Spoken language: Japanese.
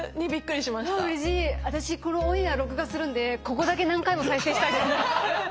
私このオンエア録画するんでここだけ何回も再生したいです。